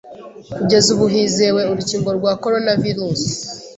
Kugeza ubu hizewe urukingo rwa Coronavirus